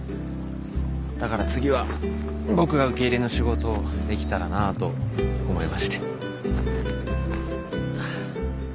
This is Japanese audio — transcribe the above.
だから次は僕が受け入れの仕事できたらなあと思いまして。